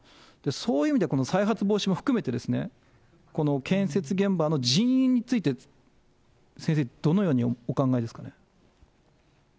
そういう意味でこの再発防止も含めて、この建設現場の人員について、先生、どのようにお考えですかね。